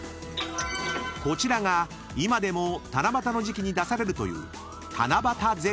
［こちらが今でも七夕の時期に出されるという］